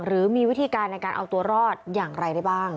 หรือมีวิธีการในการเอาตัวรอดอย่างไรได้บ้าง